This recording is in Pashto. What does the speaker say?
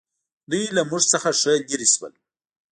دوی له موږ څخه ښه لرې شول.